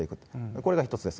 これが１つです。